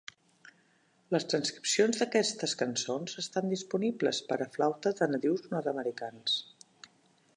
Les transcripcions d'aquestes cançons estan disponibles per a flauta de nadius nord-americans.